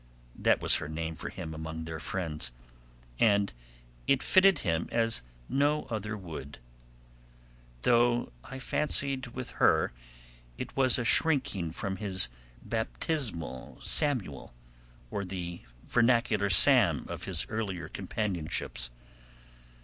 That was her name for him among their friends, and it fitted him as no other would, though I fancied with her it was a shrinking from his baptismal Samuel, or the vernacular Sam of his earlier companionships.